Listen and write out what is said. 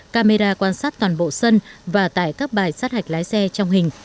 camera quan sát toàn bộ sân và tại các bài sát hạch lái xe trong hình